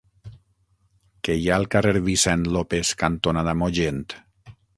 Què hi ha al carrer Vicent López cantonada Mogent?